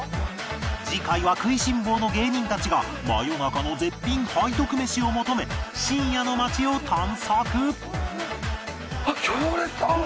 次回は食いしん坊の芸人たちが真夜中の絶品背徳メシを求め深夜の街を探索あっ行列。